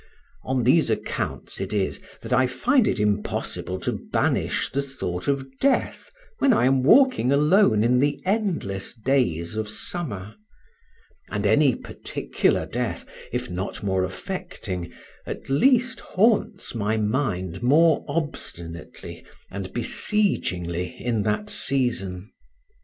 On these accounts it is that I find it impossible to banish the thought of death when I am walking alone in the endless days of summer; and any particular death, if not more affecting, at least haunts my mind more obstinately and besiegingly in that season.